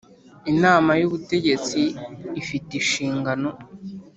Inama y’ubutegetsi ifite inshingano